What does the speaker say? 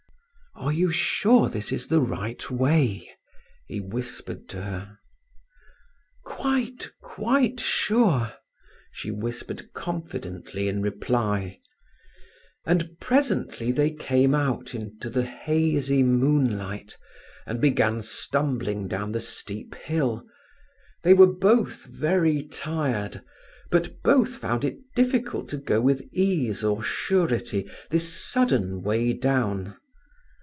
"Are you sure this is the right way?" he whispered to her. "Quite, quite sure," she whispered confidently in reply. And presently they came out into the hazy moonlight, and began stumbling down the steep hill. They were both very tired, both found it difficult to go with ease or surety this sudden way down.